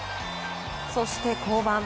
そして降板。